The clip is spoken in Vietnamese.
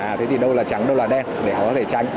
thế thì đâu là trắng đâu là đen để họ có thể tránh